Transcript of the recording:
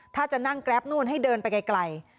ถ้าจะนั่งแกรปนู่นให้เดินไปไกล